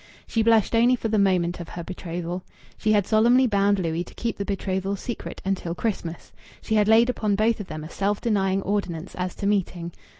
She blushed only for the moment of her betrothal. She had solemnly bound Louis to keep the betrothal secret until Christmas. She had laid upon both of them a self denying ordinance as to meeting.